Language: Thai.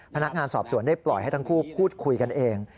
พนักงานสอบสวนได้ปล่อยให้ทั้งคู่พูดคุยกันเอง